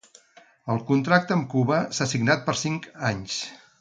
El contracte amb Cuba s’ha signat per cinc anys.